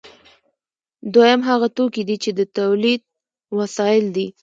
دویم هغه توکي دي چې د تولید وسایل دي.